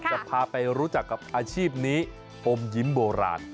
จะพาไปรู้จักกับอาชีพนี้อมยิ้มโบราณ